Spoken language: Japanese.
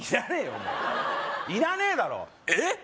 もういらねえだろええっ？